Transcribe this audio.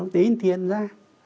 để in tiền ra